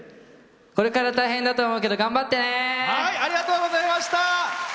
これから大変だと思うけど頑張って！